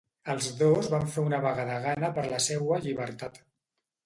Els dos van fer una vaga de gana per la seua llibertat.